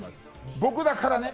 僕だからね。